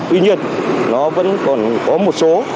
tuy nhiên nó vẫn còn có một số